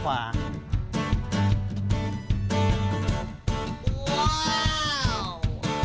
ว้าว